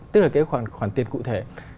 tức là cái khoản tiền cụ thể